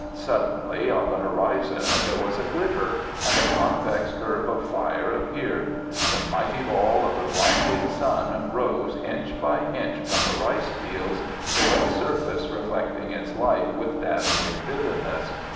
Suddenly on the horizon there was a glitter, and a convex curve of fire appeared. The mighty ball of the blinding sun rose inch by inch from the rice fields, the wet surface reflecting its light with dazzling vividness.